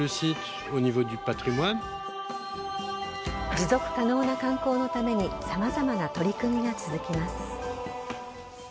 持続可能な観光のために様々な取り組みが続きます。